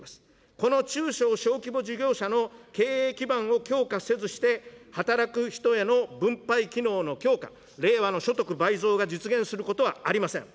この中小小規模事業者の経営基盤を強化せずして、働く人への分配機能の強化、令和の所得倍増が実現することはありません。